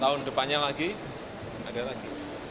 tahun depannya lagi ada lagi